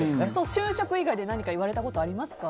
就職以外で何か言われたことありますか？